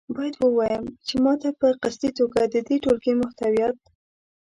باید ووایم چې ما په قصدي توګه د دې ټولګې محتویات.